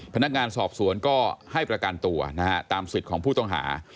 พนักงานสอบสวนก็ให้ประกันตัวนะฮะตามสิทธิ์ของผู้ต้องหา